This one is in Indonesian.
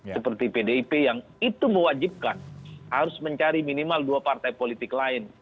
seperti pdip yang itu mewajibkan harus mencari minimal dua partai politik lain